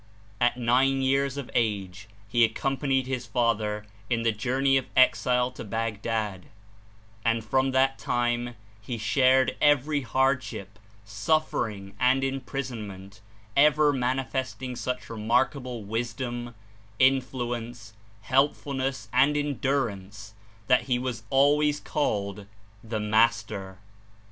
At nine years of age he accompanied his father in the journey of exile to Baghdad, and from that time he shared every hard ship, suffering and imprisonment, ever manifesting such remarkable wisdom, influence, helpfulness and endurance that he was always called "The Master."